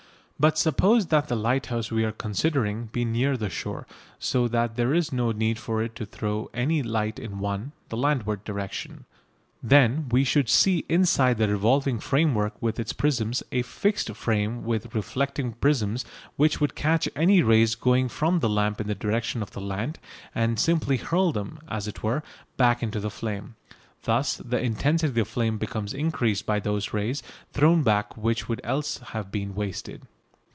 But suppose that the lighthouse we are considering be near the shore, so that there is no need for it to throw any light in one the landward direction. Then we should see inside the revolving framework with its prisms a fixed frame with reflecting prisms which would catch any rays going from the lamp in the direction of the land and simply hurl them, as it were, back into the flame. Thus the intensity of the flame becomes increased by those rays thrown back which would else have been wasted.